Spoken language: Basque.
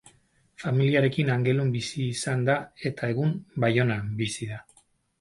Familiarekin Angelun bizi izan da eta egun Baionan bizi da.